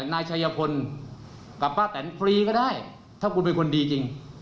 นายชัยพลกับป้าแตนฟรีก็ได้ถ้าคุณเป็นคนดีจริง